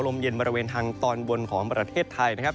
ลมเย็นมาเมื่อเวปทางตอนวนของประเทศไทยนะครับ